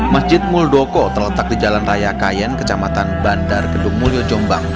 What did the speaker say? masjid muldoko terletak di jalan raya kayen kecamatan bandar kedung mulyo jombang